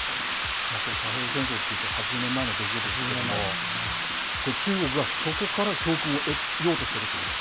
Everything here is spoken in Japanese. これ、太平洋戦争というと８０年前の出来事ですけれどもこれ中国がそこから教訓を得ようとしているはい。